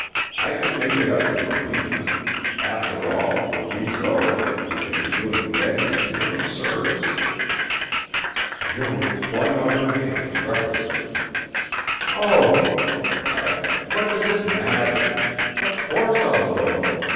I can make it up to Morena. After all, if we go, we shall be doing Betty and him a service." Joan flung out her hands recklessly. "Oh," she cried, "what does it matter? Of course I'll go.